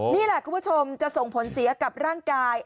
นี่แหละคุณผู้ชมจะส่งผลเสียกับร่างกาย